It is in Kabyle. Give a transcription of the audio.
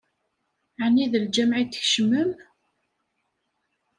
Ɛni d lǧameɛ i d-tkecmem?